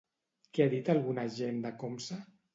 Què ha dit alguna gent de Comsa?